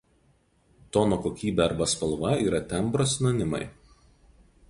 Tono kokybė arba spalva yra tembro sinonimai.